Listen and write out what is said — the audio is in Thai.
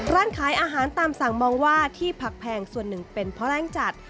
ร้านขายอาหารตามสั่งมองว่าที่ผักแพงส่วนหนึ่งเป็นเพราะแรงจัด